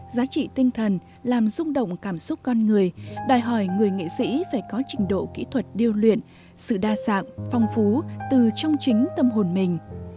giá trị tinh thần làm rung động cảm xúc con người đòi hỏi người nghệ sĩ phải có trình độ kỹ thuật điêu luyện sự đa dạng phong phú từ trong chính tâm hồn mình